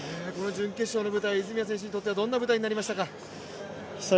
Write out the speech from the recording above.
準決勝の舞台、泉谷選手にとってはどんな舞台になりましたか。